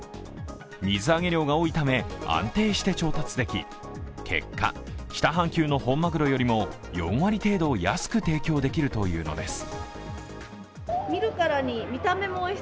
水揚げ量が多いため安定して調達でき、結果、北半球の本まぐろよりも４割程度安く提供できるというのです。